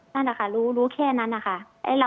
นั่นแหละค่ะรู้แค่นั้นนะคะ